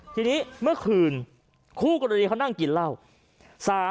ทีนี้เมื่อคืนคู่กรณีเขานั่งกินเหล้า